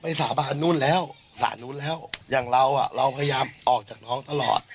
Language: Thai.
สาบานนู่นแล้วศาลนู้นแล้วอย่างเราอ่ะเราพยายามออกจากน้องตลอด